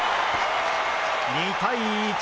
２対１！